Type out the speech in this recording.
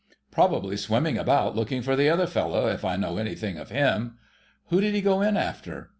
"Probably swimming about looking for the other fellow, if I know anything of him; who did he go in after?"